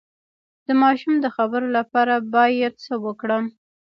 د ماشوم د خبرو لپاره باید څه وکړم؟